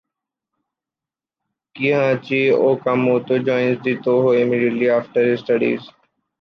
Kihachi Okamoto joins the Tōhō immediately after his studies.